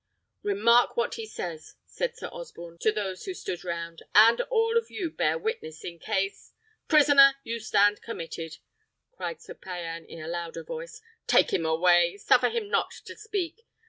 "Remark what he says," cried Sir Osborne, to those who stood round, "and all of you bear witness in case " "Prisoner, you stand committed," cried Sir Payan, in a loud voice. "Take him away! Suffer him not to speak!